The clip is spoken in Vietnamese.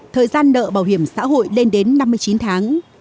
thời gian nợ bảo hiểm xã hội lên đến năm mươi chín tháng